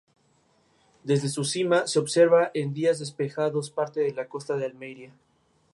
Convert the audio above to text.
Desde su cima se observa en días despejados parte de la costa de Almería.